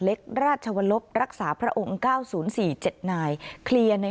เล็กราชวลบรักษาพระองค์เก้าศูนย์สี่เจ็ดนายเคลียร์ใน